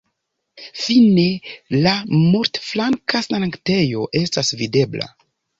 Fine la multflanka sanktejo estas videbla.